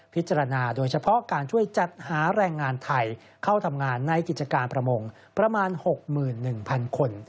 โดยเฉพาะการช่วยจัดหาแรงงานไทยเข้าทำงานในกิจการประมงประมาณ๖๑๐๐๐คน